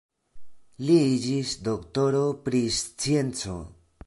Li iĝis doktoro pri scienco.